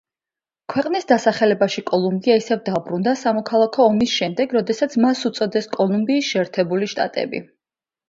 ქვეყნის დასახელებაში კოლუმბია ისევ დაბრუნდა, სამოქალაქო ომის შემდეგ, როდესაც მას უწოდეს კოლუმბიის შეერთებული შტატები.